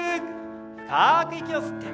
深く息を吸って。